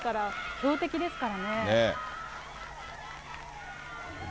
強敵ですからね。